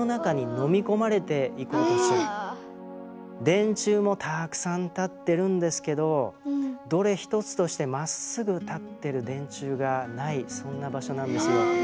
電柱もたくさん立ってるんですけどどれ１つとしてまっすぐ立ってる電柱がないそんな場所なんですよ。え。